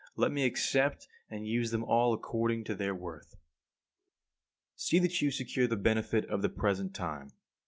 Let me accept and use them all according to their worth. 44. See that you secure the benefit of the present time.